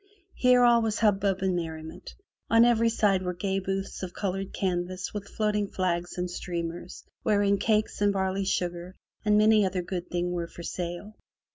Here all was hubbub and merriment. On every side were gay booths of colored canvas with floating flags and streamers, wherein cakes and barley sugar and many another good thing were for sale.